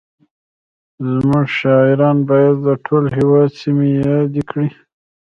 زموږ شاعران باید د ټول هېواد سیمې یادې کړي